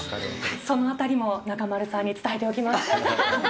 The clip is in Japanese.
そのあたりも中丸さんに伝えておきます。